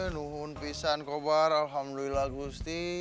nuhun pisan kobar alhamdulillah gusti